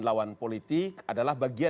tidak punya kekuatan juga